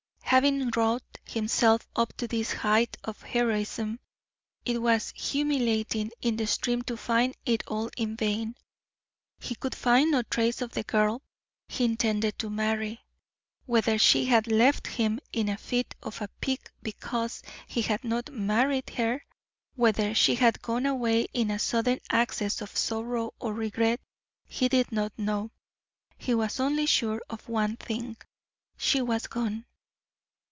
Having wrought himself up to this height of heroism, it was humiliating in the extreme to find it all in vain he could find no trace of the girl he intended to marry. Whether she had left him in a fit of pique because he had not married her, whether she had gone away in a sudden access of sorrow and regret, he did not know. He was only sure of one thing she was gone.